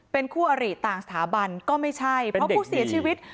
เป็นคู่อริต่างสถาบันก็ไม่ใช่เพราะผู้เสียชีวิต